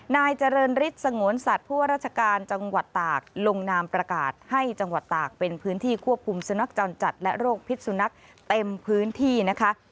นายเจริญฤทธิ์สงวนสัตว์ผู้ว่าราชการจังหวัดตากลงนามประกาศให้จังหวัดตากเป็นพื้นที่ควบคุมสุนัขจรจัดและโรคพิษสุนัขเต็มพื้นที่นะคะ